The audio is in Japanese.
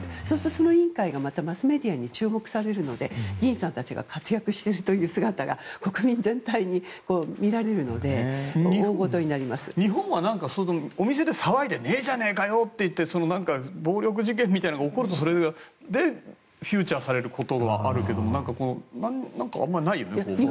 その委員会がまたマスメディアに注目されるので議員さんたちが活躍してる姿が国民全体に見られるので日本では、お店で騒いでねえじゃねえかよって言って暴力事件みたいなのが起こるとそれでフューチャーされることはあるけど。